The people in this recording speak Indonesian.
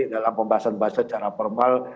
dalam pembahasan bahasa secara formal